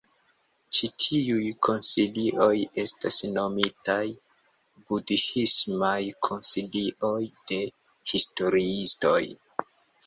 Ĉi tiuj koncilioj estas nomitaj "budhismaj koncilioj" de historiistoj.